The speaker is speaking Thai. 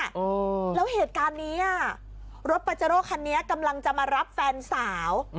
แล้วเหตุการณ์นี้อ่ะรถปาเจโร่คันนี้กำลังจะมารับแฟนสาว